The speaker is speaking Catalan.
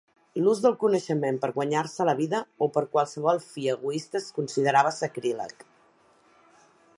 L'ús del coneixement per guanyar-se la vida o per a qualsevol fi egoista es considerava sacríleg.